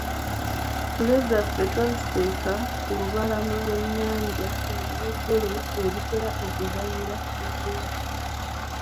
Ttule zaffe twaziteeka ku lubalama lw’ennyanja ebiwojjolo we bitera okuzannyira mu bungi.